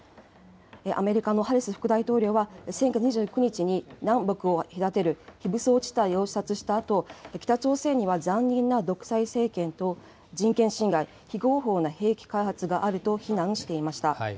アメリカのハリス副大統領は、先月２９日に南北を隔てる非武装地帯を視察したあと、北朝鮮は残忍な独裁政権と人権侵害、非合法な兵器開発があると非難していました。